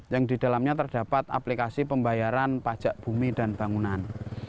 yang didalamnya terdapat aplikasi pembayaran pajak bumi dan bangunan